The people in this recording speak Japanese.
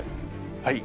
はい。